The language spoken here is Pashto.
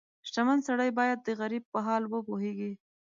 • شتمن سړی باید د غریب حال وپوهيږي.